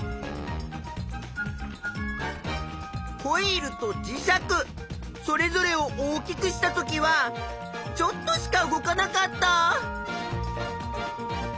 コイルと磁石それぞれを大きくしたときはちょっとしか動かなかった。